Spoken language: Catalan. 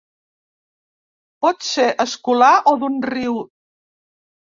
Pot ser escolar o d'un riu.